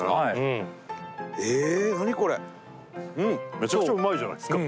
めちゃくちゃうまいじゃないですか。